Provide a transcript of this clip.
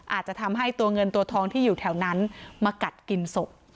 อาจจะทำให้ตัวเงินตัวทองที่อยู่แถวนั้นมากัดกินศพ